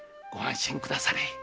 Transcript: ご安心くだされ。